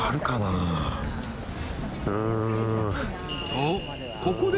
［とここで］